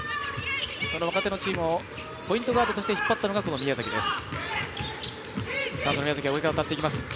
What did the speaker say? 若手のチームをポイントガードとして引っ張ったのがこの宮崎です。